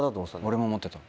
俺も思ってた。